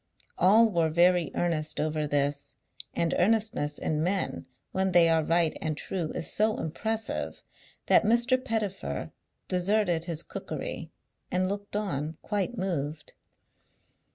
All were very earnest over this; and earnestness in men, when they are right and true, is so impressive, that Mr. Pettifer deserted his cookery and looked on quite moved.